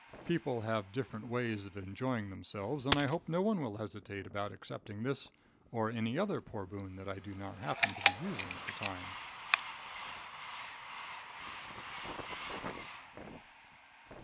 People have different ways of enjoying themselves, and I hope no one will hesitate about accepting this or any other poor boon that I do not happen to be using at the time.